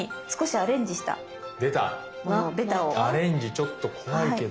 アレンジちょっと怖いけど。